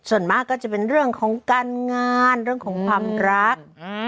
ส่วนมากก็จะเป็นเรื่องของการงานเรื่องของความรัก